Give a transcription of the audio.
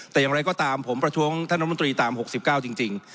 แต่อย่างไรก็ตามผมประท้วงท่านรัฐมนตรีตาม๖๙จริง